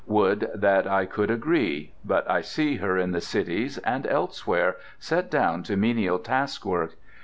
Would that I could agree; but I see her in the cities and everywhere, set down to menial taskwork.